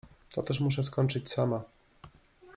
Toteż muszę skończyć sama.